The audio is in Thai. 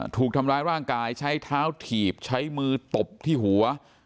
ถูกทำร้ายร่างกายใช้เท้าถีบใช้มือตบที่หัว